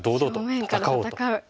正面から戦う。